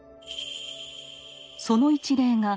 その一例が江戸